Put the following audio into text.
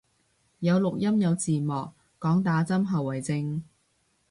有錄音有字幕，講打針後遺症